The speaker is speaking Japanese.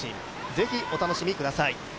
ぜひ、お楽しみください。